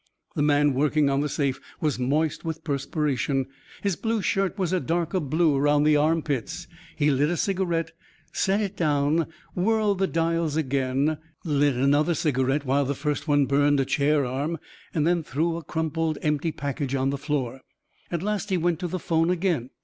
The man working on the safe was moist with perspiration. His blue shirt was a darker blue around the armpits. He lit a cigarette, set it down, whirled the dials again, lit another cigarette while the first one burned a chair arm, and threw a crumpled, empty package on the floor. At last he went to the phone again.